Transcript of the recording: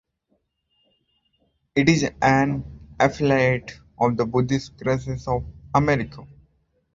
It is an affiliate of the Buddhist Churches of America.